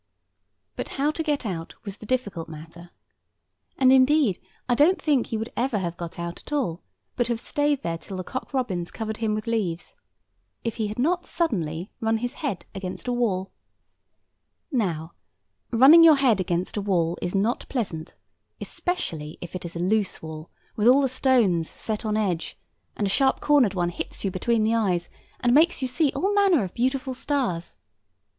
But how to get out was the difficult matter. And indeed I don't think he would ever have got out at all, but have stayed there till the cock robins covered him with leaves, if he had not suddenly run his head against a wall. [Picture: Man looking out of window] Now running your head against a wall is not pleasant, especially if it is a loose wall, with the stones all set on edge, and a sharp cornered one hits you between the eyes and makes you see all manner of beautiful stars.